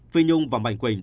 phi nhung và mạnh quỳnh